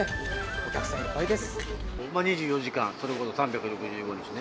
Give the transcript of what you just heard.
お客さん、いっぱいです。